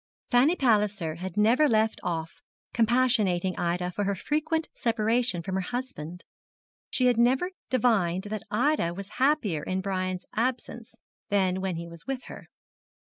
Fanny Palliser had never left off compassionating Ida for her frequent separation from her husband. She had never divined that Ida was happier in Brian's absence than when he was with her.